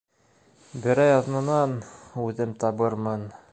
Берәй аҙнанан... үҙем табырмын.